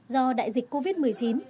do đại dịch covid một mươi chín